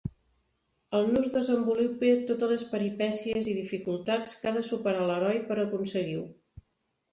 El nus desenvolupa totes les peripècies i dificultats que ha de superar l'heroi per aconseguir-ho.